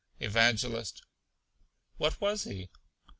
Evangelist. What was he?